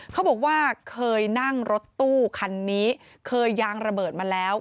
เขาบอกว่าเคยนั่งรถตู้คันนี้เคยยางระเบิดมาแล้ว